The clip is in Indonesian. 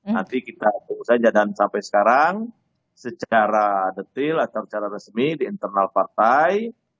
nah saya jadikan sampai sekarang secara detil secara resmi di internal partai